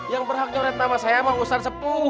yang berhak nyoret nama saya sama ustadz sepuh